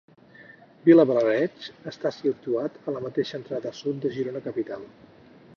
Vilablareix està situat a la mateixa entrada sud de Girona capital.